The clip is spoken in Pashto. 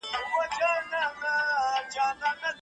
خو منزل یې یو و.